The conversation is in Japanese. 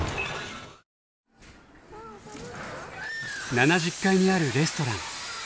７０階にあるレストラン。